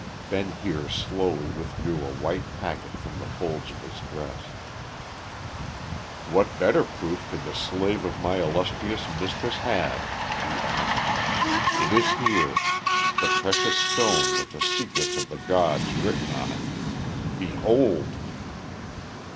Ben Heer slowly withdrew a white packet from the folds of his dress. "What better proof could the slave of my illustrious mistress have?" he asked. "It is here the precious stone with the secrets of the gods written on it. Behold!"